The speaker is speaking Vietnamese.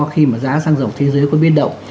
khi mà giá xăng dầu thế giới có biến động